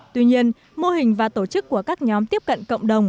tuy nhiên mô hình và tổ chức của các nhóm tiếp cận